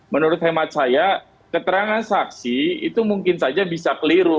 menurut hemat saya keterangan saksi itu mungkin saja bisa keliru